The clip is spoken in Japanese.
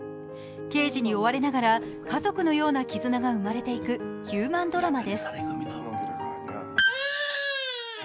刑事に追われながら家族のような絆が生まれていくヒューマンドラマです。